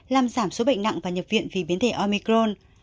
làm giảm số bệnh nặng và nhập viện vì biến thể omicron